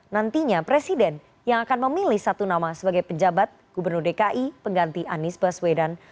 nantinya presiden yang akan memilih satu nama sebagai penjabat gubernur dki pengganti anies baswedan